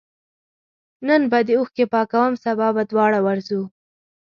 نن به دي اوښکي پاکوم سبا به دواړه ورځو